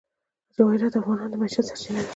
جواهرات د افغانانو د معیشت سرچینه ده.